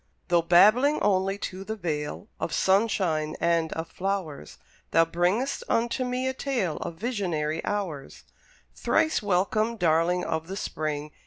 Though babbling only to the Vale, Of sunshine and of flowers, Thou bringest unto me a tale Of visionary hours. Thrice welcome, darling of the Spring!